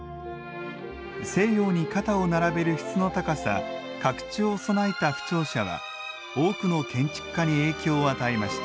西洋に肩を並べる質の高さ格調を備えた府庁舎は多くの建築家に影響を与えました。